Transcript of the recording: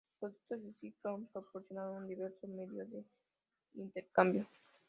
Los productos del "scriptorium" proporcionaron un valioso medio de intercambio.